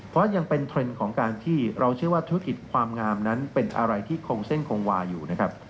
เพราะยังเป็นเทรนด์ของการที่เราเชื่อว่าธุรกิจความงามนั้นเป็นอะไรที่คงเส้นคงวาอยู่นะครับ